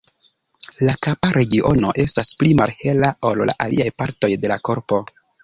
La kapa regiono estas pli malhela ol la aliaj partoj de la korpo.